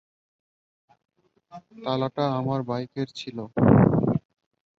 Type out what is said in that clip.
তালাটা আমার বাইকের ছিল।